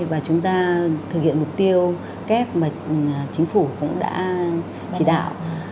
và chúng ta thực hiện mục tiêu kép mà chính phủ cũng đã chỉ đạo